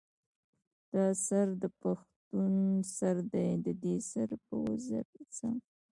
دا سر د پښتون سر دے ددې سر پۀ وزر څۀ